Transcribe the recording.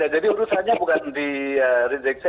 nah jadi urusannya bukan di reject